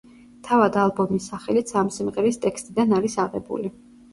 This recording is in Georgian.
თავად ალბომის სახელიც ამ სიმღერის ტექსტიდან არის აღებული.